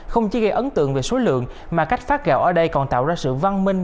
không chỉ gây ấn tượng về số lượng mà cách phát gạo ở đây còn tạo ra sự văn minh